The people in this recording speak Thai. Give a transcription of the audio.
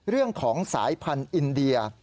เรื่องของสายพันธุ์อินเดีย